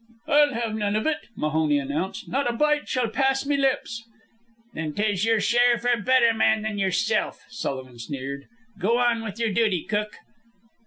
"I'll have none of ut," Mahoney announced. "Not a bite shall pass me lips." "Then 'tis yer share for better men than yerself," Sullivan sneered. "Go on with yer duty, cook."